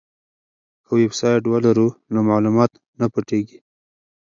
که ویبسایټ ولرو نو معلومات نه پټیږي.